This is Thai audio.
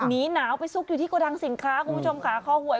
หนีหนาวไปซุกอยู่ที่กระดังสินค้าคุณผู้ชมค่ะคอหวย